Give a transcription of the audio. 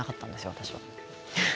私は。